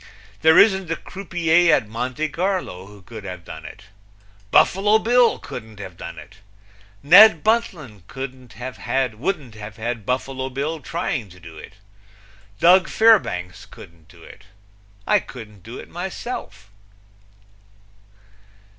There isn't a croupier at Monte Carlo who could have done it. Buffalo Bill couldn't have done it. Ned Buntline wouldn't have had Buffalo Bill trying to do it. Doug Fairbanks couldn't do it. I couldn't do it myself.